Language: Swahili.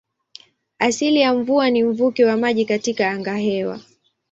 Asili ya mvua ni mvuke wa maji katika angahewa.